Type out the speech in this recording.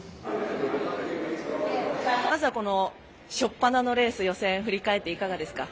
まずはしょっぱなのレース、予選を振り返っていかがですか？